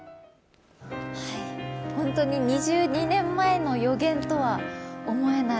本当に２２年前の預言とは思えない。